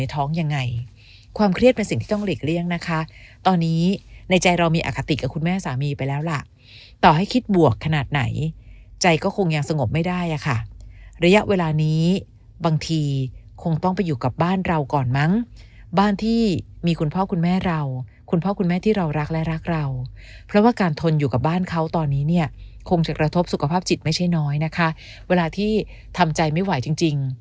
ยังไงความเครียดเป็นสิ่งที่ต้องหลีกเลี่ยงนะคะตอนนี้ในใจเรามีอคติกับคุณแม่สามีไปแล้วล่ะต่อให้คิดบวกขนาดไหนใจก็คงยังสงบไม่ได้อะค่ะระยะเวลานี้บางทีคงต้องไปอยู่กับบ้านเราก่อนมั้งบ้านที่มีคุณพ่อคุณแม่เราคุณพ่อคุณแม่ที่เรารักและรักเราเพราะว่าการทนอยู่กับบ้านเขาตอนนี้เนี่ยคงจะกระทบสุขภาพจิตไม่ใช่น้อยนะคะเวลาที่ทำใจไม่ไหวจริง